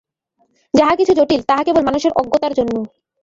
যাহা কিছু জটিল, তাহা কেবল মানুষের অজ্ঞতার জন্য।